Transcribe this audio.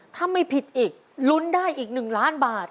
ถ้าไม่ผิดอีกลุ้นได้อีก๑ล้านบาท